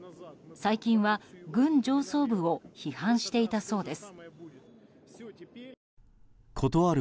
最近は軍上層部を批判していたそうです。